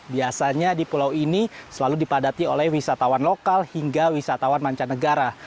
biasanya di pulau ini selalu dipadati oleh wisatawan lokal hingga wisatawan mancanegara